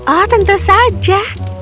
oh tentu saja